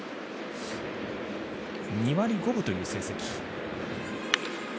２割５分という成績。